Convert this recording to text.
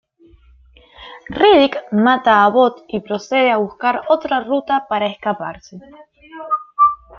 Riddick mata a Abbott y procede a buscar otra ruta para escaparse.